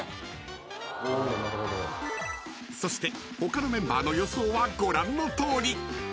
［そして他のメンバーの予想はご覧のとおり］